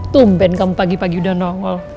tumben kamu pagi pagi udah nongol